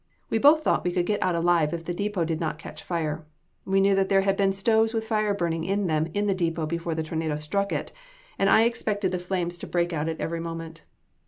We both thought we could get out alive if the depot did not catch fire. I knew that there had been stoves with fire burning in them in the depot before the tornado struck it, and I expected the flames to break out at every moment.